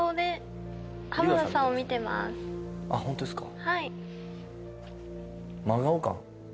あっホントですか？